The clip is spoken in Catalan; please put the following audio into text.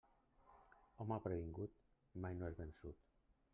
Home previngut mai no és vençut.